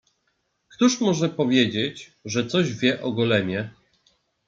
"„Któż może powiedzieć, że coś wie o Golemie?"